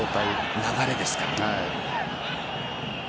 流れですか。